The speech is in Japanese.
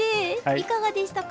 いかがでしたか？